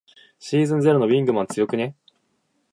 シーズンゼロのウィングマン強くね。